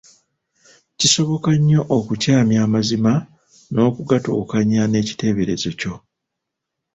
Kisoboka nnyo okukyamya amazima n’ogatuukanya n’ekiteeberezo kyo.